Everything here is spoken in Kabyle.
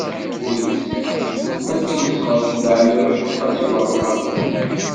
Ur yessefk ad tesmesxreḍ s Dda Ɛmiiruc u Qasi Waɛmer n Ḥmed.